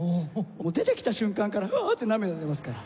もう出てきた瞬間から「うわあ」って涙が出ますから。